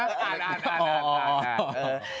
อ่าน